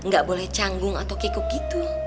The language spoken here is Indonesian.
gak boleh canggung atau kikuk gitu